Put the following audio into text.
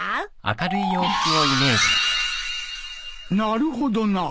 なるほどな。